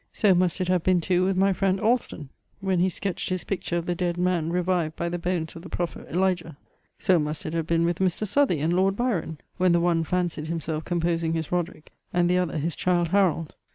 So must it have been too with my friend Allston, when he sketched his picture of the dead man revived by the bones of the prophet Elijah. So must it have been with Mr. Southey and Lord Byron, when the one fancied himself composing his Roderick, and the other his Childe Harold.